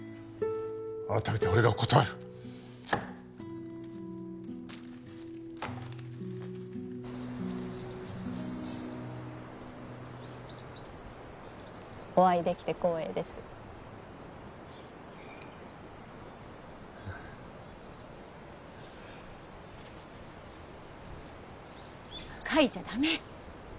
改めて俺が断るお会いできて光栄ですかいちゃダメ